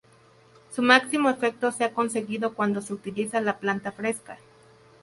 Su máximo efecto se ha conseguido cuando se utiliza la planta fresca.